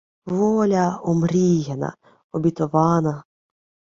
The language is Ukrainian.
Воля омріяна, обітована